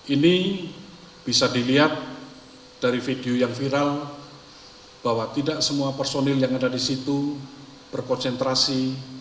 ini bisa dilihat dari video yang viral bahwa tidak semua personil yang ada di situ berkonsentrasi